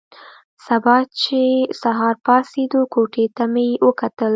سبا چې سهار پاڅېدو او کوټې ته مې وکتل.